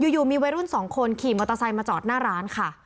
อยู่มีวัยรุ่นสองคนขี่มอเตอร์ไซค์มาจอดหน้าร้านค่ะ